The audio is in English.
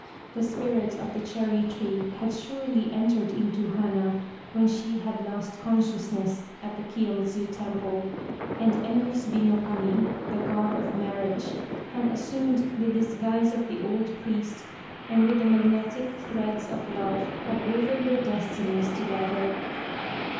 The spirit of the cherry tree had surely entered into Hana when she had lost consciousness at the Kiyomidzu temple, and En musubi no Kami, the God of Marriage, had as sumed the disguise of the old priest, and with the magnetic threads of love, had woven their destinies together.